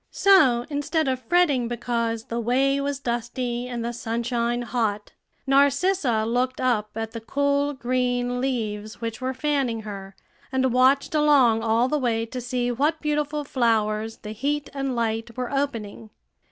So, instead of fretting because the way was dusty and the sunshine hot, Narcissa looked up at the cool green leaves which were fanning her, and watched along all the way to see what beautiful flowers the heat and light were opening.